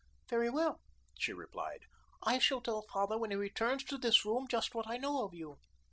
"Very well," she replied; "I shall tell father when he returns to this room just what I know of you."